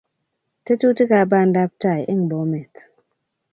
Tetutikab bandaptai eng Bomet